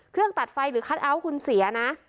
เครื่องตัดไฟหรือคัทเอาท์คุณเสียนะ